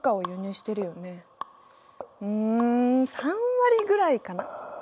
うん３割ぐらいかな。